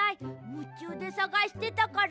むちゅうでさがしてたから。